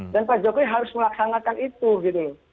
dan pak jokowi harus melaksanakan itu gitu